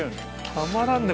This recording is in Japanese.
たまらんね